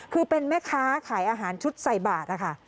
คือเป็นแม่ค้าขายอาหารชุดใส่บาทนะคะ